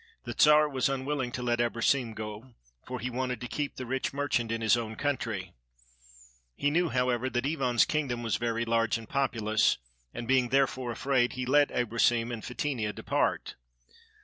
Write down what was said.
The Czar was unwilling to let Abrosim go, for he wanted to keep the rich merchant in his own country. He knew, however, that Ivan's kingdom was very large and populous, and being therefore afraid, he let Abrosim and Fetinia depart.